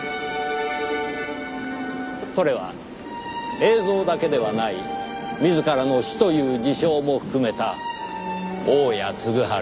それは映像だけではない自らの死という事象も含めた大屋嗣治